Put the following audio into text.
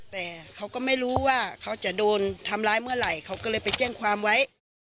แต่เขาก็ไม่รู้ว่าเขาจะโดนทำร้ายเมื่อไหร่เขาก็เลยไปแจ้งความไว้